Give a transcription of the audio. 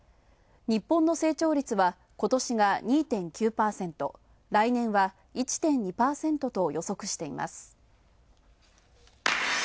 日本の成長率は今年が２．９％、来年は、１．２％と予測しています。